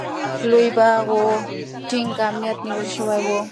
لوی باغ و، ټینګ امنیت نیول شوی و.